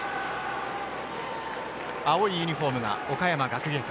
青いユニホームが岡山学芸館。